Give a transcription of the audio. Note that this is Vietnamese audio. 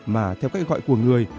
mà theo cách gọi của người